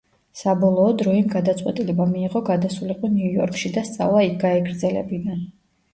საბოლოოდ, როიმ გადაწყვეტილება მიიღო გადასულიყო ნიუ იორკში და სწავლა იქ გაეგრძელებინა.